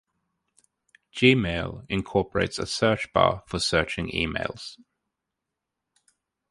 Gmail incorporates a search bar for searching emails.